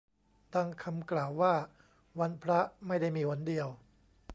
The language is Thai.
ดังคำกล่าวว่าวันพระไม่ได้มีหนเดียว